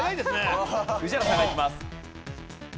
宇治原さんがいきます。